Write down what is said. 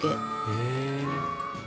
へえ。